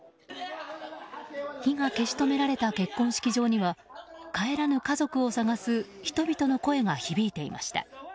火が消し止められた結婚式場には帰らぬ家族を捜す人々の声が響いていました。